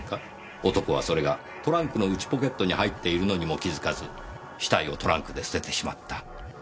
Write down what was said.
男はそれがトランクの内ポケットに入っているのにも気づかず死体をトランクで捨ててしまった。